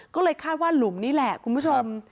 ก็เลยคาดว่าหลุมนี่แหละคุณผู้ชม